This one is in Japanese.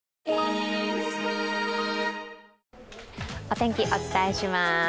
お天気、お伝えします。